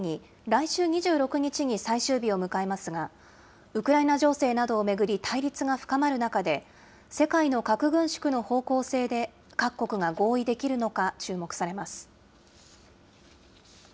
来週２６日に最終日を迎えますが、ウクライナ情勢などを巡り、対立が深まる中で、世界の核軍縮の方向性で各国が合意できるのか、注目されます。